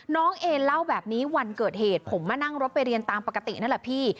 น้องเอนเล่าแบบนี้วันเกิดเหตุผมมานั่งรถไปเรียนตามปกตินั่นแหละพี่